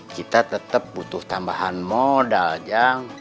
kita tetep butuh tambahan modal jang